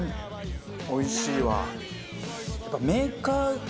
おいしいわ。